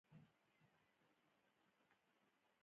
هغوی به په زهرجنو خوړو په اسانه ختمول کېدل.